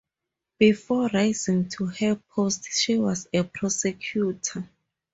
Before rising to her post, she was a prosecutor.